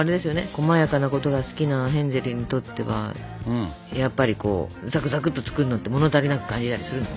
こまやかなことが好きなヘンゼルにとってはやっぱりこうざくざくっと作るのって物足りなく感じたりするの？